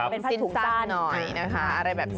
เป็นพัตก์ถูงสั้นสิ้นทรัพย์หน่อยนะคะอะไรแบบนี้